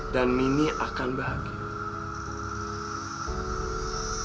dan mini akan bahagia